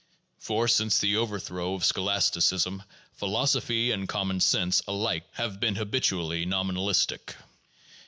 For, since the overthrow of scholasticism, philosophy and common sense alike have been habit ually nominalistic.